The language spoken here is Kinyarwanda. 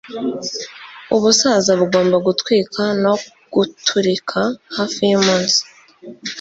Ubusaza bugomba gutwika no guturika hafi yumunsi